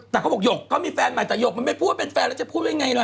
แต่เขาบอกโยกก็มีแฟนใหม่แต่โยกมันไม่พูดว่ามีแฟนแล้วจะพูดไงละ